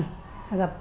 trong địa bàn